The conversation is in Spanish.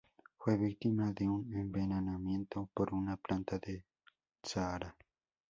Fue víctima de un envenenamiento por una planta del Sahara.